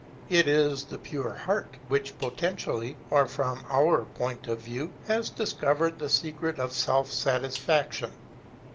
It is the pure heart, which potentially, or from our point of view, has discovered the secret of self satisfaction.